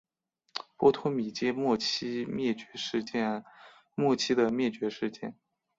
波托米阶末期灭绝事件末期的灭绝事件。